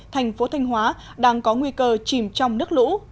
thành phố thanh hóa đang có nguy cơ chìm trong nước lũ